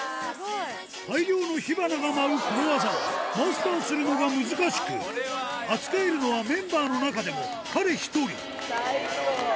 大量の火花が舞うこの技は、マスターするのが難しく、扱えるのはメンバーの中でも彼一人。